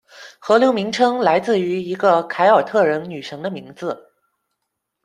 河流名称来自于一个凯尔特人女神的名字。